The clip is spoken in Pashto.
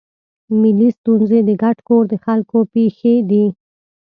ملي ستونزې د ګډ کور د خلکو پېښې دي.